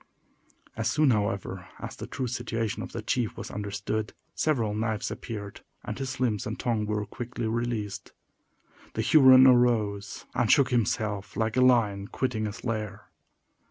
As soon, however, as the true situation of the chief was understood, several knives appeared, and his limbs and tongue were quickly released. The Huron arose, and shook himself like a lion quitting his lair.